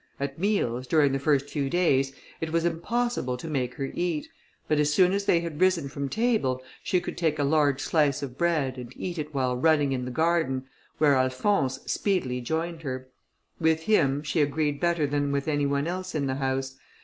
At meals, during the first few days, it was impossible to make her eat; but as soon as they had risen from table, she could take a large slice of bread, and eat it while running in the garden, where Alphonse speedily joined her. With him she agreed better than with any one else in the house.